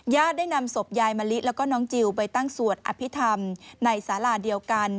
ได้นำศพยายมะลิแล้วก็น้องจิลไปตั้งสวดอภิษฐรรมในสาราเดียวกัน